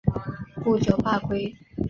不久罢归。